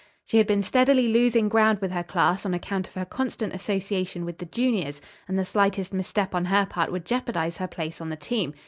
She had been steadily losing ground with her class on account of her constant association with the juniors, and the slightest misstep on her part would jeopardize her place on the team.